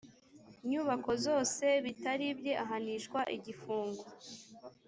nyubako zose bitari ibye ahanishwa igifungo